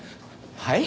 はい？